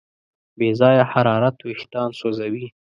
بې ځایه حرارت وېښتيان سوځوي.